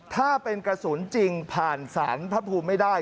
ถ้าเป็นกระสุนจริงผ่านสารพระภูมิไม่ได้